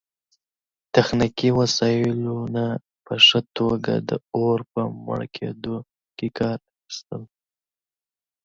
تخنیکي وسایلو نه په ښه توګه د اور په مړه کیدو کې کار اخیستل